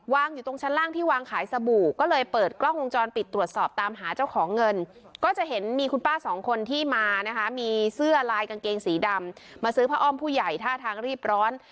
อยู่ตรงชั้นล่างที่วางขายสบู่ก็เลยเปิดกล้องวงจรปิดตรวจสอบตามหาเจ้าของเงินก็จะเห็นมีคุณป้าสองคนที่มานะคะมีเสื้อลายกางเกงสีดำมาซื้อผ้าอ้อมผู้ใหญ่ท่าทางรีบร้อน